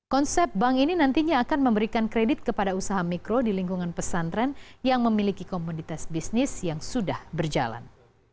konsep bank ini nantinya akan memberikan kredit kepada usaha mikro di lingkungan pesantren yang memiliki komoditas bisnis yang sudah berjalan